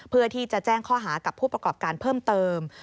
เพื่อที่จะแจ้งข้อหากับผู้ประกอบการเพิ่มเติม